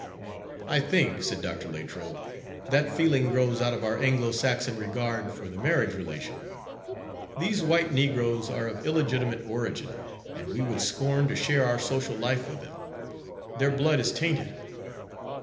"I think," said Dr. Latrobe, "that feeling grows out of our Anglo Saxon regard for the marriage relation. These white negroes are of illegitimate origin, and we would scorn to share our social life with them. Their blood is tainted."